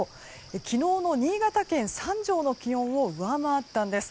昨日の新潟県三条の気温を上回ったんです。